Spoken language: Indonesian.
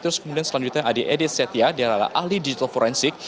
terus kemudian selanjutnya ada edi setia dia adalah ahli digital forensik